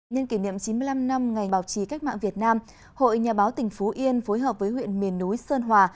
nhân kỷ niệm chín mươi năm năm ngày báo chí cách mạng việt nam hội nhà báo tỉnh phú yên phối hợp với huyện miền núi sơn hòa